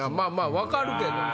分かるけどね。